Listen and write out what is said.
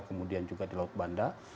kemudian juga di laut banda